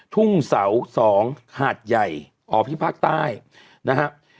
ทุ่งเสา๒หาดใหญ่อ๋อที่ภาคใต้นะครับ